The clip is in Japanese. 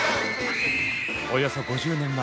およそ５０年前。